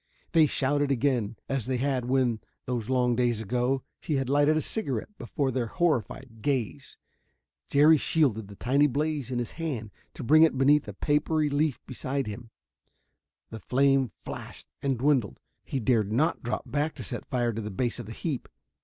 They shouted again, as they had when, those long days ago, he had lighted a cigarette before their horrified gaze. Jerry shielded the tiny blaze in his hand to bring it beneath a papery leaf beside him. The flame flashed and dwindled. He dared not drop back to set fire to the base of the heap.